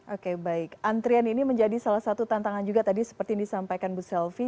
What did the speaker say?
oke baik antrian ini menjadi salah satu tantangan juga tadi seperti yang disampaikan bu selvi